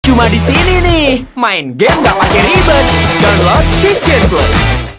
cuma disini nih main game gak pake ribet download christian play